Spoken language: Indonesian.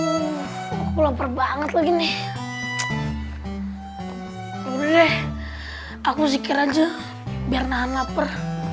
aku laper banget lagi nih udah aku zikir aja biar nana per